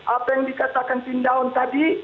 apa yang dikatakan pindaun tadi